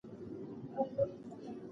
زه اوس مهال یو کتاب لیکم.